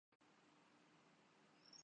جس میں پاکستانی اردو والا شناختی کارڈ ہوتا ہے